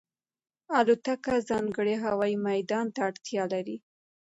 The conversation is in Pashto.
الوتکه ځانګړی هوايي میدان ته اړتیا لري.